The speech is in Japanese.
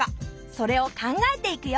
それを考えていくよ。